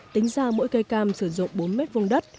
tính ra mỗi cây cam sử dụng bốn mét vùng đất